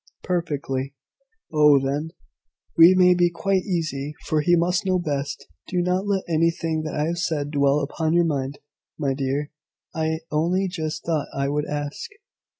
"Perfectly." "Oh, then, we may be quite easy; for he must know best. Do not let anything that I have said dwell upon your mind, my dear. I only just thought I would ask."